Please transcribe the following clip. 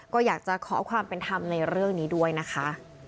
ก็อยากจะขอความเป็นธรรมในเรื่องนี้ด้วยนะคะ